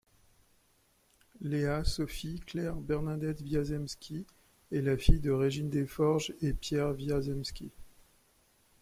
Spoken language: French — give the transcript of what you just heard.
Léa Sophie Claire Bernadette Wiazemsky, est la fille de Régine Deforges et Pierre Wiazemski.